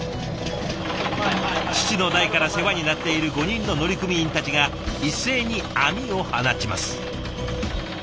父の代から世話になっている５人の乗組員たちが一斉に網を放ちます。